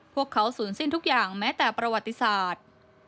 พวกเขาศูนย์สิ้นทุกอย่างแม้แต่ประวัติศาสตร์